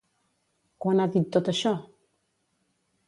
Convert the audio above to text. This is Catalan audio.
Quan ha dit tot això?